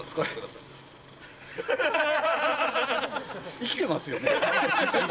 生きてますよね？